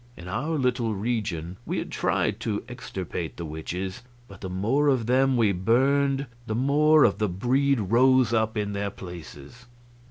In our little region we had tried to extirpate the witches, but the more of them we burned the more of the breed rose up in their places.